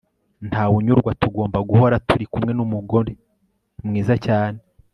ntawe unyurwa tugomba guhora turi kumwe n'umugore mwiza cyane